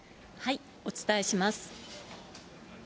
お伝えします。